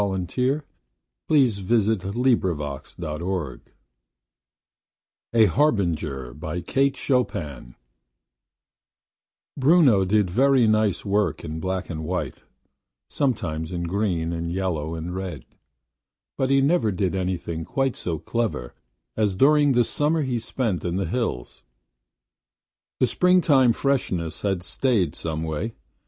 27 MB, help | file info or download) 109929A Harbinger1891Kate Chopin Bruno did very nice work in black and white; sometimes in green and yellow and red. But he never did anything quite so clever as during that summer he spent in the hills. The spring time freshness had stayed, some way.